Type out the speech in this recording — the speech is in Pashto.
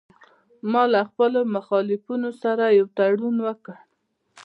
ما له خپلو مخالفینو سره یو تړون وکړ